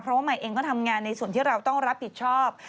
เพราะว่าใหม่เองก็ทำงานในส่วนที่เราต้องรับผิดชอบ